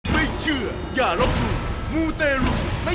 มูนัย